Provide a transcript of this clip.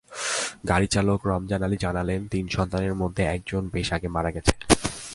গাড়িচালক রমজান আলী জানালেন, তিন সন্তানের মধ্যে একজন বেশ আগে মারা গেছে।